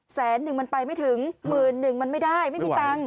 แสนหนึ่งมันไปไม่ถึงหมื่นหนึ่งมันไม่ได้ไม่มีตังค์